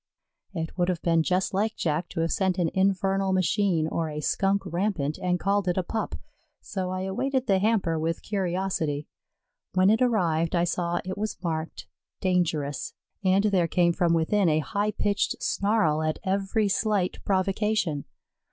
It would have been just like Jack to have sent an infernal machine or a Skunk rampant and called it a pup, so I awaited the hamper with curiosity. When it arrived I saw it was marked "Dangerous," and there came from within a high pitched snarl at every slight provocation.